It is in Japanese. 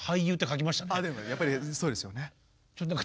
やっぱりそうですよね。